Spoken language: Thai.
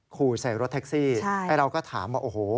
ขู่ใส่รถแท็กซี่เราก็ถามว่าโอ้โห